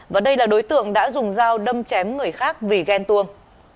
và đây là đối tượng đã dùng dao đâm chém người khác vì ghen tuông